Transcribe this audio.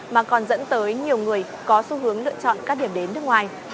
với nhiều người có xu hướng lựa chọn các điểm đến nước ngoài